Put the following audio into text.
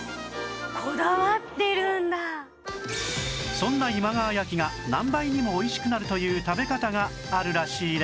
そんな今川焼が何倍にも美味しくなるという食べ方があるらしいです